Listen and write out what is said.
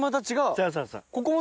そうそうそう。